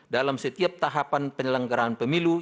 dalam setiap tahapan penyelenggaran pemilih